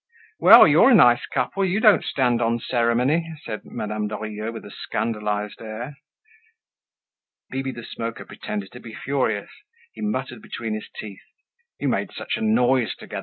"Well! You're a nice couple; you don't stand on ceremony," said Madame Lorilleux with a scandalized air. Bibi the Smoker pretended to be furious. He muttered between his teeth. "You made such a noise together!